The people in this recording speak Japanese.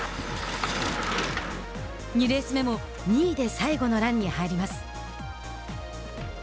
２レース目も、２位で最後のランに入ります。